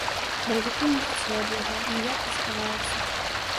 Баравіку не жыццё ад яго, ніяк не схаваецца.